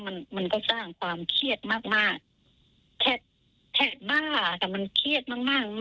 มันมันก็สร้างความเครียดมากมากแค่บ้าแต่มันเครียดมากมาก